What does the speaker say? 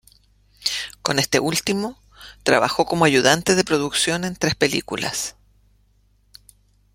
Con este último trabajó como ayudante de producción en tres películas.